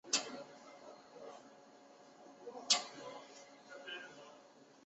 主要旗下北京万富春森林资源发展有限公司核心业务。